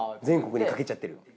全国に賭けちゃってる。